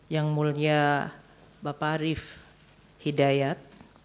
yang mulia bapak arief hidayat